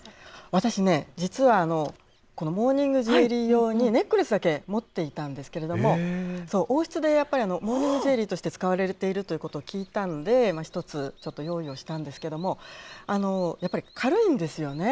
私ね、実は、このモーニングジュエリー用に、ネックレスだけ持っていたんですけれども、王室でやっぱり、モーニングジュエリーとして使われているということを聞いたので、１つ、ちょっと用意をしたんですけども、やっぱり軽いんですよね。